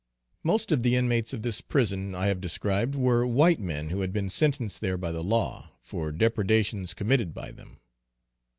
_ Most of the inmates of this prison I have described, were white men who had been sentenced there by the law, for depredations committed by them.